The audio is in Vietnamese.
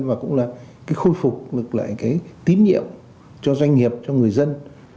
và cũng là cái khôi phục ngược lại cái tín nhiệm cho doanh nghiệp cho người dân